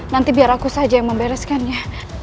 nanti biar aku saja yang membereskannya